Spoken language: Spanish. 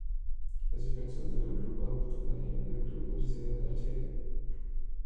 Es defensa en el grupo Adulto femenino del Club Universidad de Chile.